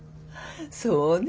そうね。